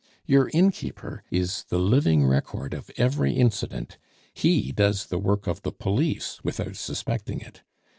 "Your innkeeper is the living record of every incident; he does the work of the police without suspecting it.